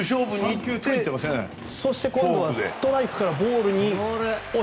そして今度はストライクからいとも